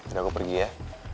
udah gue pergi ya